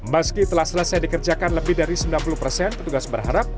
meski telah selesai dikerjakan lebih dari sembilan puluh persen petugas berharap